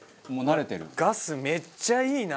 ガスめっちゃいいな！